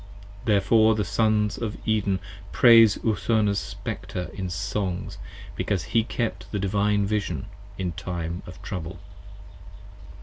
Therefore the Sons of Eden praise Urthona's Spectre in songs, 20 Because he kept the Divine Vision in time of trouble.